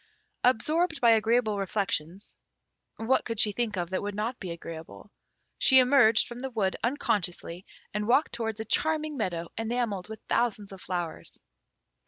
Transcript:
Absorbed by agreeable reflections, (what could she think of that would not be agreeable?) she emerged from the wood unconsciously, and walked towards a charming meadow enamelled with thousands of flowers.